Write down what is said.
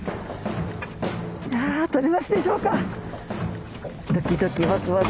いやとれますでしょうか？